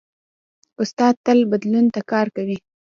استاد تل بدلون ته کار کوي.